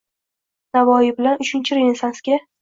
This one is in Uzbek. Navoiy bilan Uchinchi Renessansga